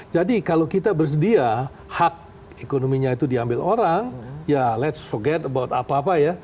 jadi kalau kita bersedia hak ekonominya itu diambil orang ya let's forget about apa apa ya